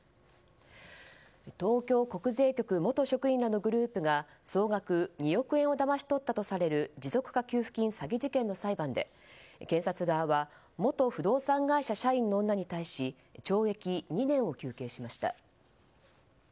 東京国税局元職員らのグループが総額２億円をだまし取ったとされる持続化給付金詐欺事件の裁判で検察側は元不動産会社社員の女に対し懲役２年を求刑しました。